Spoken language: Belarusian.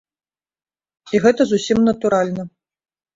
І гэта зусім натуральна.